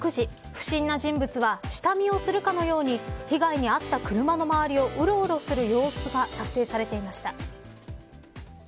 不審な人物は下見をするかのように被害に遭った車の周りをうろうろする様子が撮影されていました。